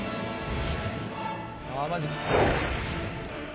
マジきつい。